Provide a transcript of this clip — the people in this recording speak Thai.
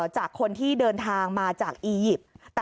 จากคนที่เดินทางมาจากอียิปต์